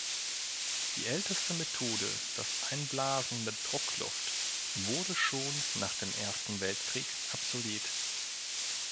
Die älteste Methode, das Einblasen mit Druckluft, wurde schon nach dem Ersten Weltkrieg obsolet.